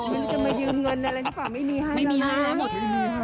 จะมายืมเงินอะไรก็ค่ะไม่มีให้แล้วนะ